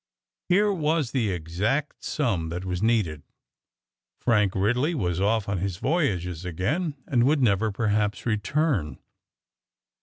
Here was the exact sum that was needed. Frank Ridley was off on his voyages again, and would never, perhaps, return.